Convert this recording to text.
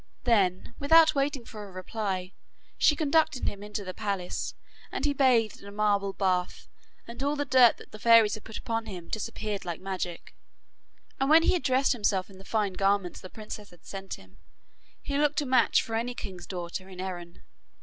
Then, without waiting for a reply, she conducted him into the palace, and he bathed in a marble bath, and all the dirt that the fairies had put upon him disappeared like magic, and when he had dressed himself in the fine garments the princess had sent to him, he looked a match for any king's daughter in Erin.